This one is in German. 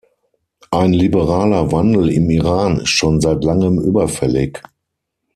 Ein liberaler Wandel im Iran ist schon seit langem überfällig.